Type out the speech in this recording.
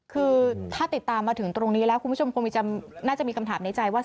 คือถ้าติดตามมาถึงตรงนี้แล้วคุณผู้ชมคงน่าจะมีคำถามในใจว่า